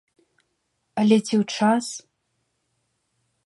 Але ці ў час?